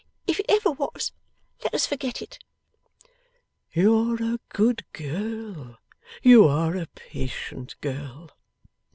If it ever was, let us forget it.' 'You are a good girl, you are a patient girl.